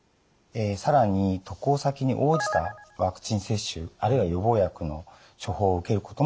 更に渡航先に応じたワクチン接種あるいは予防薬の処方を受けることもできます。